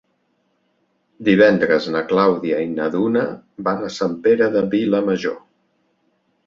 Divendres na Clàudia i na Duna van a Sant Pere de Vilamajor.